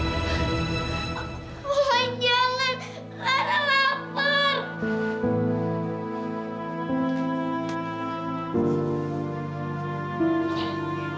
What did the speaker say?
enggak boleh makan